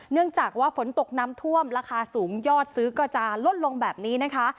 เนื่องจากว่าฝนตกน้ำท่วมราคาสูงยอดซื้อก็จะลดลงแบบนี้นะคะ